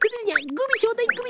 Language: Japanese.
グミちょうだいグミ